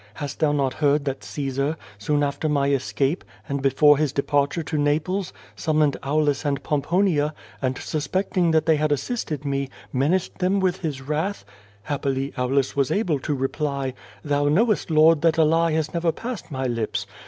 Hast thou not heard that Caesar, soon after my escai)e, and before his departure to Naples, summoned Aulus and Poniponia, and suspecting that they had assisted me, menaced them with his wrath? Happily, Aulus was able to reply: 'Thou knowest. Lord, that a lie has never passed my lips.